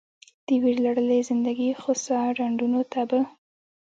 د ویرلړلې زندګي خوسا ډنډونو ته به